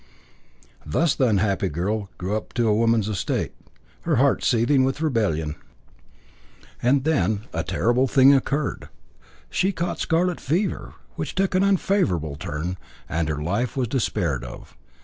Thus the unhappy girl grew up to woman's estate, her heart seething with rebellion. And then a terrible thing occurred. She caught scarlet fever, which took an unfavourable turn, and her life was despaired of.